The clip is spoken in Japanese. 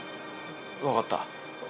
分かった。